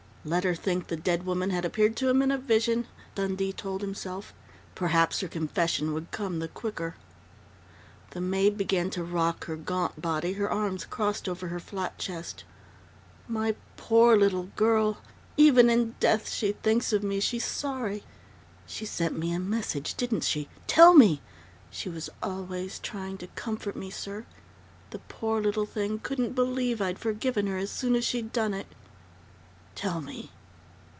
Let her think the dead woman had appeared to him in a vision, Dundee told himself. Perhaps her confession would come the quicker The maid began to rock her gaunt body, her arms crossed over her flat chest. "My poor little girl! Even in death she thinks of me, she's sorry . She sent me a message, didn't she? Tell me! She was always trying to comfort me, sir! The poor little thing couldn't believe I'd forgiven her as soon as she done it . Tell me!"